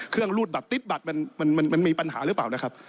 เครื่องรูดบัดติ๊ดบัดมันมีปัญหาหรือเปล่านะครับ